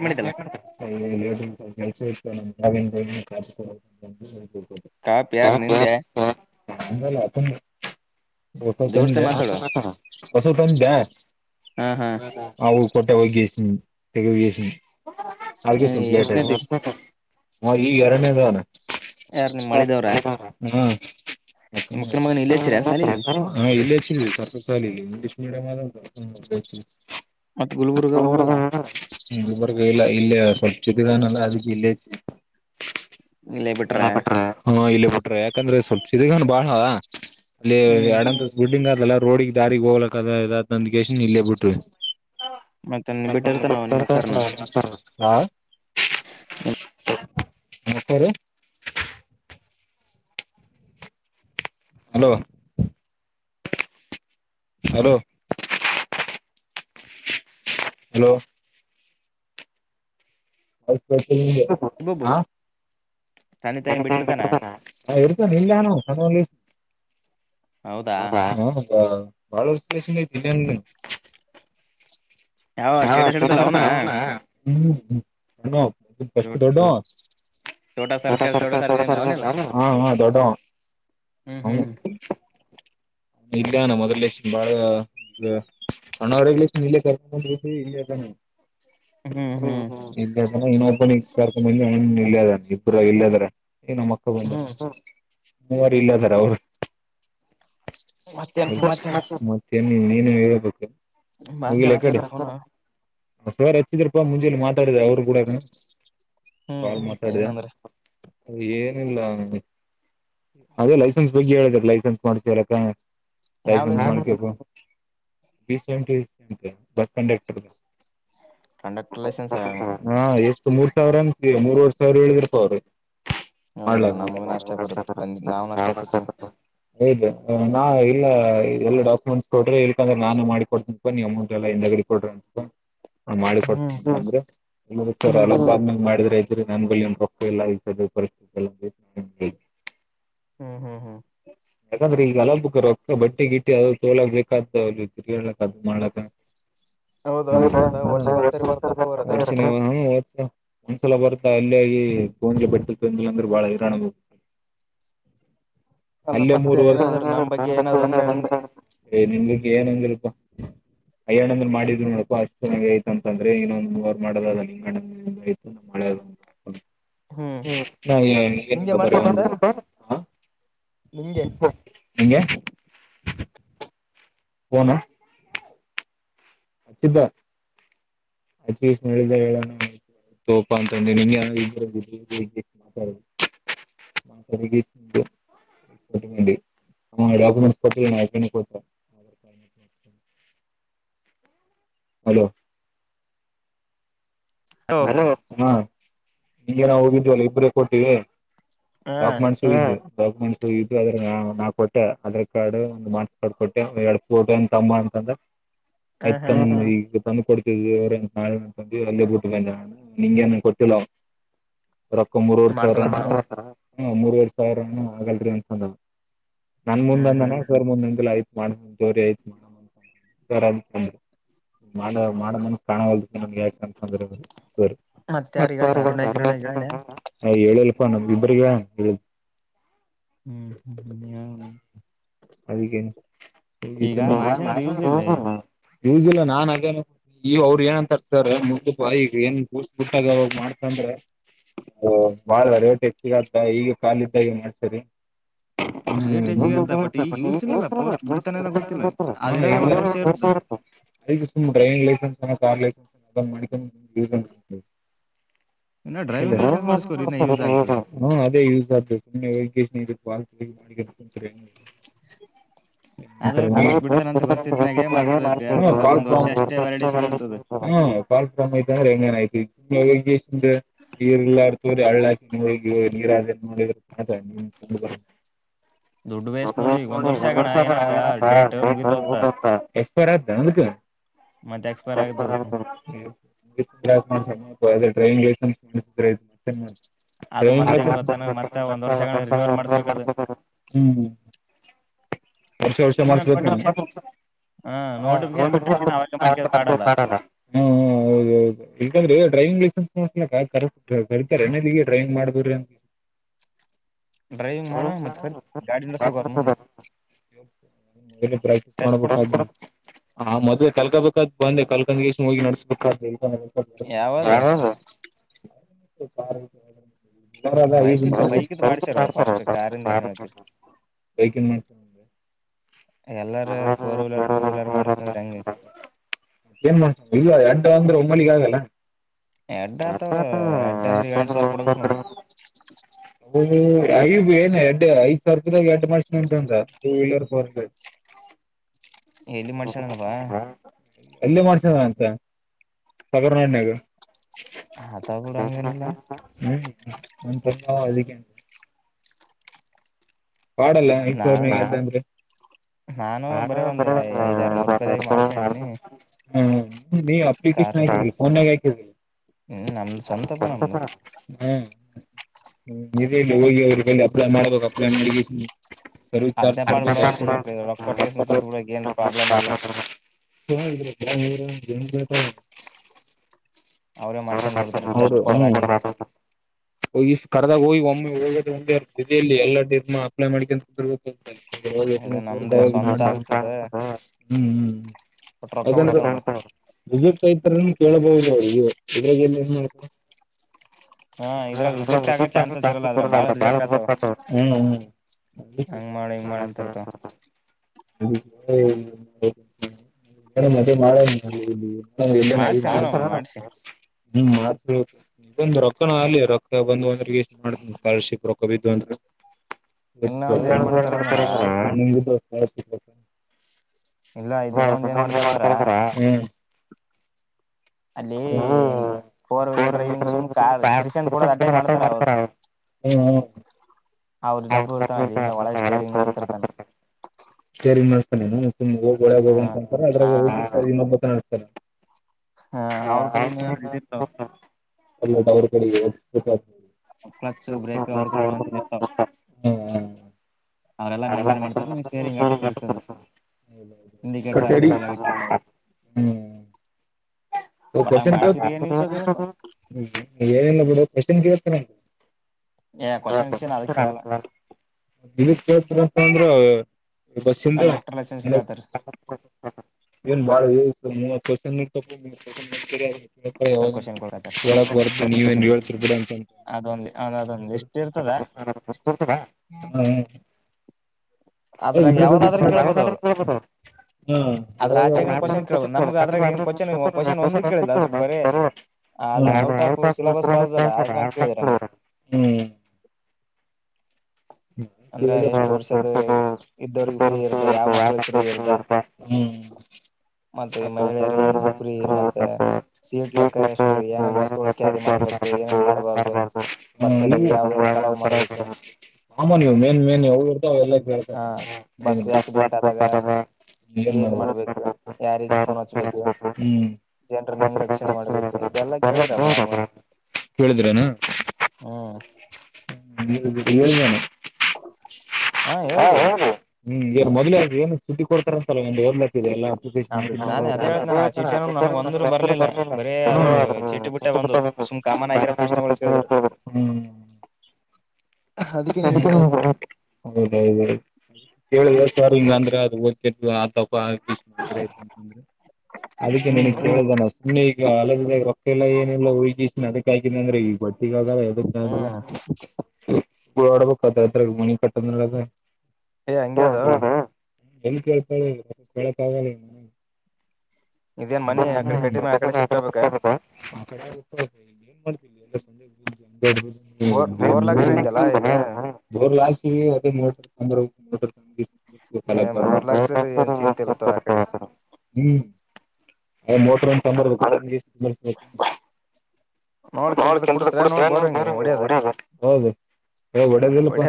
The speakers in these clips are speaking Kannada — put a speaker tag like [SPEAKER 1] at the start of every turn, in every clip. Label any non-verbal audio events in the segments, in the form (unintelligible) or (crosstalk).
[SPEAKER 1] (unintelligible) ಾವ ಕಡ (inaudible)
[SPEAKER 2] ಕಾಪ ಯಾರ್ ನಿಂದೆ
[SPEAKER 1] ಅಲ್ಲ ಅ (inaudible) ಹೊಸ ತಂದೆ (inaudible) ಹೊಸ ತಂದೆ ಹ ಕೊಟ್ಟೆ ಒಗೇಸ ತಗಗಸ ಅಲ್ಗ ಸಪ (unintelligible) ಹ ಈಗ ಎರಡನೇದಾನ ಹತ್ತ ಹ ಇಲ್ಲಿಾಲ (unintelligible) ಕಡ ಮಾ (inaudible) ಡ ಹ್ಮ ಹ್ಮ ಹ ಹ್ಮ್ಮಲ್ಲ (unintelligible) ಇಲ್ಲ ಸಬ್ಚುದಾನಲ್ಲ ಅದ ಜಿಲ್ಲ ಹ್ಮ ಇಲ್ಲಿ ಬಿಟ್ರೆ ಯ ಯಾಕಂದ್ರೆ ಸ್ವಲ್ಪ ಶಿಡಗನ್ ಬಾಳ ಅಲ್ಲಿ ಎರಡ ಗುಡ್ಡಿಂಗಲ್ಲ ರೋಡಗ್ ದಾರಗ್ ಹೋಗ್ಲಕ್ಕ ಅದದ ನಂದ ಗೇಶ ಇಲ್ಲೇ ಬಿಟ್ರು ಅ (inaudible) ನ (inaudible) ಸಾರೆ ಹಲೋ ಹಲೋ ಹಲೋ ಹಪ (inaudible) ಹ ತ ಬೆಟ್ಟತಾನ ಎತ ಇಲ್ಲಾನ (unintelligible) ಬಾಳ ವರ್ಷದಿಂದ (inaudible) ಆ ಸ್ಟೇಟಸ್ ಇಡ್ತಾನಲಾ ಅವನಾ (unintelligible) ಅಷ್ಟ ದೊಡ್ಡವಾ ಛೋಟಾ ಸರ್ಕಲ್ ಛೋಟಾ ಸರ್ಕಲ್ ದೊಡ್ಡವ ಇಲ್ಯಾನ ಮಾದ್ಯಾ ಸಿಂದ ಬಾಳ ಈ ಸಣ್ಣ (unintelligible) (inaudible) ಹ್ಮ ಹ್ಮ ಇ ಇನ್ನೊಬ್ಬನಿಗ (unintelligible) ಇಬ್ರು ಇಲ್ಲದ್ರ ಏ ನಮ್ಮ ಅಕ್ಕ ಬಂದಾರ ಹ್ಮಂ ಮಾವರ ಇಲ್ಲ ಅದರ ಅವ್ರು ಸಾಮಚಾರ ಹ್ಮ್ ನೀನೆ ಹೇಳಳ್ಬೇಕ
[SPEAKER 2] ಮಾಸ್ತರ್ ಅಚ್ಚರಫೋನ್
[SPEAKER 1] ಸರ್ ಹಚ್ಚಿದ್ರಪ್ಪ ಮುಂಜಲಿ ಮಾತಾಡಿದ ಅವರು ಗೂಡಾನು (unintelligible) ಮಾತಾಡಿದ ಏನಿಲ್ಲ ಅದೇ ಲೈಸೆನ್ಸ್ ಬಗ್ಗೆ ಹೇಳುದ್ರ ಲೈಸೆನ್ಸ್ ಮಾಡ್ಸಲಕ್ಕ (unintelligible) (unintelligible) ಬಸ್ ಕಂಡಕ್ಟರ್ (unintelligible) ಹಾ ಎಷ್ಟು ಮೂರ್ ಸಾವಿರ ಎನ್ ಈ ಮೂರ್ವರ್ ಸಾವಿರ ಹೇಳಿದ್ರಪ್ಪ ಅವರು ಮಾಡ್ಲ (unintelligible) ನಾ ಇಲ್ಲ ಎಲ್ಲ ಡಾಕುಮೆಂಟ್ಸ್ ಕೊಡ್ರಿ ಇಲ್ಕ ಅಂದ್ರ ನಾನ ಮಾಡಿ ಕೊಡ್ತಿನಿ ಪ ನೀ ಅಮೌಂಟ್ ಎಲ್ಲ ಇಂದಗಡಿ ಕೊಡ್ರಿ (unintelligible) (inaudible) ನಾ ಮಾಡಿ ಕೊಡ್ತೀನಿ ಅಂದ್ರೆ ಇಲ್ರಿ ಸರ್ (unintelligible) ಮಾಡಿದ್ರ ಆಯ್ತ ನನ್ನ ಬಲ್ಲಿ ನು (unintelligible) ಈ ಪರಿಸ್ಥಿತಿ (inaudible) ಯಾಂಕದ್ರೆ ಈಗ ಎಲ್ಲರಿಗೂ ರೊಕ್ಕ ಬಟ್ಟೆಗಿಟ್ಟಿ ಅ ತೋಲ ಬೇಕಾದ್ದ ಅವ್ರಜೊತಿ ತಿರುಗಲಕ್ ಅದು ಮಾಡ್ಲಕ್ಕ (unintelligible) (inaudible) ಒಂದ್ಸಲ ಬರ್ತಾ ಅಲ್ಲಿಯ ಆಗಿ ಗೂಂಜಿ ಬೆಟ್ಟ ತಂದಿಲ್ಲ ಅಂದ್ರೆ ಬಾಳ ಹೈರಾಣ ಹೋಗ ಅಲ್ಲಿಯ ಮೂರು ವರ್ಷ (unintelligible) ಏ ನಿನ್ಲಿಕ್ಕೆ ಏನ್ಂಗಿಲ್ಪಾ ಹಯ್ಯಣ ಅಂದ್ರ ಮಾಡಿದ್ರು ನೋಡ ಫಾಸ್ಟ್ ಚೆನ್ನಾಗ ಐತ ಅಂದ್ರೆ ಇನ್ನೊಂದ್ರ್ ಮಾಡೋದದ ನಿಂಗಣಐ ಮಳೆ ಹ್ಮ (unintelligible) (inaudible) ಹಿಂಗೇ ನು (unintelligible) ಹಚಿದ್ದ ಆ ಮಾಡಿದ ಹೇಳಣ ತೋಪ ಅಂತಂದ ನಿಗೆಾರ ಮಾತಾಡ ಮಾತಾ ನಮ್ಮ ಡಾಕ್ಯುಮೆಂಟ್ಸ್ ಕೊಟ್ಟಕ ಕೊ ಕ ಹಲೋ ಹಲೋ ಹಾ ಹಂಗೆ ನಾವ ಹೋಗಿದ್ವಲ್ಲ ಇಬ್ರೇ ಹೋಗಿ ಲಾಪಮನ್ಸು (unintelligible) ಡಾಕ್ಯುಮೆಂಟ್ಸ್ು ಇದು ಅದ್ರ ನಾ ಕೊಟ್ಟ ಆಧಾರ್ ಕಾರ್ಡ್ ಮಾರ್ಸ್ ಕಾರ್ಡ್ ಕೊಟ್ಟೆ ಎರಡು ಫೋಟೋ ಏನ್ ತೊಂಬಾ ಅಂತಂದ್ರೆ ಆಯ್ತ ತಗೋ. (unintelligible) ತಂದು ಕೊಡ್ತಿದವಿ. (unintelligible) ನಿಂಗ್ ಏನು ಕೊಟ್ಟಿಲ ರೊಕ್ಕ ಮುರ್ವರೆ ಸಾವಿರ. ಹಾ ಮೂರುವರೆ ಸಾವಿರ ಆಗೈ (unintelligible) ನನ್ ಮುಂದಂದನ (unintelligible) (unintelligible) ಹದರದು (unintelligible) ನಮೆಬ್ಬರೀಗ (unintelligible)
[SPEAKER 2] ಹ್ಮ್ ಹ ಹ ಈಗ ಮಾಡ್ಸಿದ್ರೆ ಯೂಸ್ ಇಲೇ
[SPEAKER 1] ಯೂಸ್ ಇಲ್ಲ ನಾನ್ ಅದೇ ಈ ಅವ್ರು ಏನಂತಾರೆ ಸರ್ (unintelligible) ಈಗ ಏನ್ ಕೂಸ್ ಗಟ್ಟಾಗವಾಗ ಮಾಡ್ತ ಅಂದ್ರೆ ಬಾಳ ರ ರವಟಿ ಹೆಚ್ಚಗತ ಈಗ ಕಾಲ್ದಾಗ ಮಾಡ್ಸರಿ. (unintelligible) ಡೈವಿಂಗ ಲೈಸನ್ಸ್ ಕಾರ್ ಲೈಸನ್ಸ್ ಬಂದ ಮಾಡಿ. (unintelligible) (unintelligible) ಪುಣ್ಯ ವೈಕೇಶನ ವಾ ಮಾಡಿಕಂತಾರೆ. (unintelligible) (unintelligible) (unintelligible) (unintelligible) ದ ಡ್ರೈವಿಂಗ್ ಲೈಸನ್ಸ್ (unintelligible) ಹ್ಮ್. ವರ್ಷ ವರ್ಷ ಮಾಡ್ಸಬೇಕು. ಹ ಹೌ ಯಾಕಂದ್ರೆ ಡ್ರೈವಿಂಗ್ ಲೈಸೆನ್ಸ್ (unintelligible) (unintelligible) ಬಂದೆ ಕಲ್ಕೊಂಡಸಿ. (unintelligible) (unintelligible) (unintelligible) ಎಡು ಅಂದ್ರೆ ಒಮ್ಮಳಿಗೆ ಆಗಲ್ಲ.
[SPEAKER 2] ಎಡ್ಡ ಆತವ ಎಡ್ಡ ಅಂದ್ರೆ ಏಲೇಟ್ ಸಾವಿರ ಕೊಡಬೇಕ ನೋಡು.
[SPEAKER 1] ಐ ಏನ್ ಎಡ್ ಐದ್ ಸಾವಿರ ರೂಪಿದಾಗ ಎಂಟ ಮಾಡಿನ ಉಂಟಂದ್ರ ಟೂ ವೀಲರ್ ಫೋರ್ ವೀಲರ್
[SPEAKER 2] ಎಲ್ಲಿ ಮಾಡ್ಸೋಣ ಗಿಲ್ಲ
[SPEAKER 1] ಎಲ್ಲೇ ಮಾಡ್ಸಿದ ಅಂತ ಸಗರನಾಡ್ಯಾನಾಗ
[SPEAKER 2] ಅದವ ಬಿಡ ಹಂಗೇನಿಲ್ಲ
[SPEAKER 1] ನನ್ (unintelligible) ತನ್ನ ವ ಅದಕ್ಕೆ ಮಾಡಲ್ಲ ಐದುಸಾವಿರ ಅರ್ಸಾವಿರ ಆದ್ರೇನು ಐದು ಆರ್ ನೂರ (unintelligible) ಮಾಡ್ಸನು ಈ ಅಪ್ಲಿಕೇಶನ್ ಹಾಕಿದೆ ಫೋನಿಗೆ ಹಾಕಿದೆ (unintelligible) ಹ್ಮ ಇದ ಇಲ್ಲಿ ಹೋಗಿ ಅವ್ರಿಗೆಲ್ಲಿ ಅಪ್ಲೈ ಮಾಡ್ಬೇಕು ಅಪ್ಲೈ ಮಾಡಿ ಹ್ಞೂ ಸರ್ವಿಸ್ ಚಾರ್ಜ್ (unintelligible) ಹ ನೀ (unintelligible) ಏನ್ ರೆಟೇದೋ ಅವರೇ ಮಾಡ್ಸಕೊಂತರ ಅವರೇ ಕೊಡತಾರ (unintelligible) ಕರದಾಗ ಹೋಗಿ ಒಮ್ಮೆ ಹಳೋಗೋದು ಒಮ್ಮೆ ದಿನದಲ್ಲಿ ಎಲ್ಲ ಡೇಟ್ ಅಪ್ಲೈ ಮಾಡಕಾಂತ ಕುಂತಿರ್ಬೇಕು ಹ್ಮ ಹ್ಮ್ಾಣ ಸ್ನೇಹಿತರನ್ನು (unintelligible) ಕೇಳಬಹುದುವು. ಇದ್ರಾಗ (unintelligible) ಎನ್ ಯೂಸ್ ಮಾಡತಿ ಹ ಅದ್ರ ರಿಜೆಕ್ಟ್ ಆಗು ಆ ಚಾನ್ಸಸ್ ಇರಲ್ಲ ಅದ್ರ (unintelligible) ಬಾಳ ರಿಜೆಕ್ಟ್ ಅಕ್ಕವ್ವ ಮತ್ತೆ (unintelligible) ಮಾಡಳ ಇಲ್ಲೆನ ಈಗ ಮಾಡ್ಸತಾರಾನ್ (unintelligible) ಮಾಡಸರ ಹ್ಮ್ ಇದೊಂದು ರೊಕ್ಕಣ ಆಗಲಿ ರೊಕ್ಕ ಬಂದ ವೆಸ್ಟ್ ಮಾಡ್ತೀನಿ ಸ್ಕಾಲರ್ಶಿಪ್ ರೋಕ್ ಕವಿ ದ್ವಂದ (unintelligible) ಆಯ್ತ ತಗೋ ಹ ಮಾಡ್ತಾರಂದ್ರ ಹ್ಮ ಹ್ಮಸ ಕ ಮತ (unintelligible)
[SPEAKER 2] ಅವ್ರರು ಇನ್ನಬ್ರ್ತಾಇರತಾರ ಅಲ್ಲಿಂದ ಒಳಗ ಸ್ಟೇರಿಂಗ್ ನಡೆಸ್ತಿರ್ತಾನ
[SPEAKER 1] ತಂದೇನು ತಮ್ ಹೋಗಿ ಒಳೆಗ್ ಹೋಗಂತಾರೆ ಅದ್ರ ಇನ್ನೊಬ್ಬ ನಡ್ಸ್ತಾರೆ (inaudible) ಅವರ್ ಕಡೆ
[SPEAKER 2] ಕ್ಲಚ್ ಬ್ರೇಕ್ ಅವ್ರ ಕಡೆವ ಇರ್ತವು
[SPEAKER 1] ಹ್ಮ್ ಹ್ಮ್
[SPEAKER 2] ಅವರೆಲ್ಲ ಮೈಂಟೈನ್ ಮಾಡ್ತಾರೆ ನೀವು ಸ್ಟೇರಿಂಗ್ ಆಟಿ ಹಾಕಿ ತಿರುಗಿಸೋದು ಇಂಡಿಕೇಟರ್ ಆಗ್ಕದು ಲೈಟ್ ಹಾಕದು
[SPEAKER 1] (unintelligible) ಏನಿಲ್ಲ ಬಿಡು (inaudible) (inaudible) ಬಸ್ಸಿದು ಇವನ್ ಬಾಳ ಬಸ್ಸ (unintelligible) (inaudible) ಕೇಳಾಕ್ ಬರುತ್ತೆ ನೀವೇನು ಹೇಳ್ತೀರಾ ಬಿಡು ಇದ್ರ ಬಗ್ಗೆ (inaudible) (inaudible) ಹ್ಮ್ (unintelligible)
[SPEAKER 2] ಮತ್ತೆ ಸೀಟ್ ಲೆಕ್ಕ ಎಷ್ಟು ಏನೇನ್ ವಸ್ತುಗಳು ಕ್ಯಾರಿ ಮಾಡ್ಬೇಕು ಏನೇನ್ ಮಾಡ್ಬಾರ್ದು ಬಸ್ಲ್ಲಿ ಯಾವಯಾವ ಕಲವು ಮಾಡ್ಬೇಕು
[SPEAKER 1] ಏನಮಾಡಬೇಕು ಹ್ಮ್ (unintelligible) ಕೇಳಿದ್ರಪ್ಪ ಕೇಳಿದ್ರನಾ ಏನಿಲ್ಲಣ್ಣ
[SPEAKER 2] ಹಾ ಹೇಳಿದೆ
[SPEAKER 1] ಹ್ಮ್ ಈ ಮೊದನೇ ಏನು ಸುದ್ದಿ ಕೊಡ್ತಾರ ಒಂದು ಒವೆರ್ಲಪ್ ಇದಿಯಲ್ಲ ಅಪ್ಪಕಿಕೇಶನ್ ಆಕಿ ನಾನು ಅದೇ ಅ ಚಿಟ್ಟಿ ಬಿಟ್ಟು (unintelligible) ಕಾಮನ್ ಪ್ರಶ್ನೆಗಳೇ ಹ್ಮ ಹೌದೌದೌದು ಹೇಳಲೇ (unintelligible) ಹಿಂಗಂದ್ರೆ ಅದು ಹದವು ಅದಕ್ಕೆ (unintelligible) ನಿನಗ್ ಕೇಳ್ದ ನಾ (unintelligible) ಈಗ ಅಲ್ಲ ಎಲ್ಲ ಏನೆಲ್ಲಾ ಹೋಗ್ ನ ಅದ ಹಾಯಕಿ ಅಂದ್ರೆ ಈಗ ಸಿಗಾಗ ಹೇಳದಲ್ಲ. ಡಬೇಕ ಅ. (unintelligible)
[SPEAKER 2] ಏ ಹಂಗಗೆ ಅದು.
[SPEAKER 1] ಎಲ್ಲಿ ಕೇಳ್ಕಳ. (unintelligible) (unintelligible) ಹ ಈಗ ಏನ್ ಮಾಡ್ತ. (unintelligible) (unintelligible) (unintelligible) (unintelligible) (unintelligible) (unintelligible) ವಾದ್ಯದಿಲ್ಲಪ.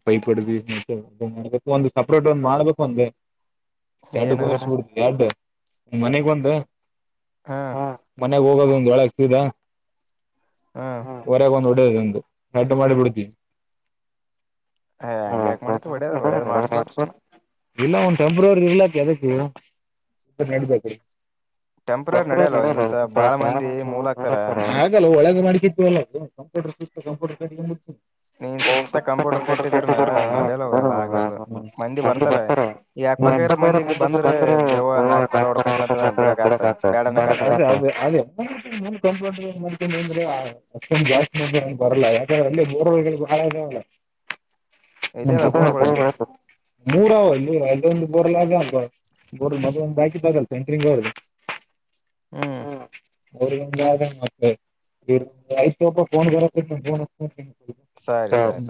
[SPEAKER 1] (unintelligible) (unintelligible) (unintelligible) ಪೈ ಪಡ ಮಾಡ್ಬೇಕು ಒಂದು ಸಪ್ರೇಟ್ ಒಂದ್ ಮಾಡ್ಬೇಕು ಒಂದ. ಎರಡು (unintelligible) ಯಡ್ಡೂ. ಮನೆಗ್ ಒಂದು. ಹ ಮನಾಗ ಹೋಗ. (unintelligible) ಹೊರಗಂದ. (unintelligible) (unintelligible)
[SPEAKER 2] ಹಂಗ್ಯಾಾಕ ಮಾಡಿತ್ತುು ಒಡ್ಯದ್ ಒಡ್ಯದ್ ಮಾಡ್ಸ್ಬ ಬಿಟ್ಟು ಸುಮ್ಮ್.
[SPEAKER 1] ಇಲ್ಲ ಒಂದ್ ಟೆಪ್ರವರಿ ಇರ್ಲಾಕ ಅದಕ್ಕೆ ನಡ್ಬೇಕ. (unintelligible) (unintelligible) (unintelligible) (unintelligible)
[SPEAKER 2] ನೀನ್ ಸುತ್ತ ಕಂಪ್ಯೂಟರ್ ಕಟ್ಟಿದ್ರನ ನಡಲೋಗ ಎಲ್ಲ ಆಗ್ಲಾರದು ಮಂದಿ ಬರ್ತಾರ ಈ ಯಕ್ಪಕರ ಮಂದಿಗ್ ಬಂದ್ರ ಯವ ನಾಕಕ್ ಕಡೆ ಹೊಡ್ಕತಿವಿ ಅಂತ ಬಿಡಕ್ ಬ್ಯಾಡನ ಆಗ್ತಾ.
[SPEAKER 1] (unintelligible) (unintelligible) ಮೂರ್ ಅವ. (unintelligible) (unintelligible) (unintelligible)
[SPEAKER 2] ಹ್ಮ್.
[SPEAKER 1] (unintelligible) (unintelligible) ಸ ಸ.